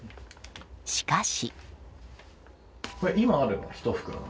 しかし。